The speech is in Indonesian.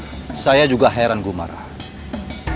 sudah berbagai sudut hutan di bukit barisan ini kita cari